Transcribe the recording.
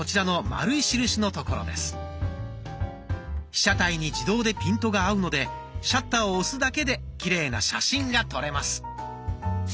被写体に自動でピントが合うのでシャッターを押すだけできれいな写真が撮れます。